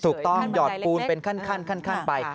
ถูกต้องหยอดปูนเป็นขั้นไป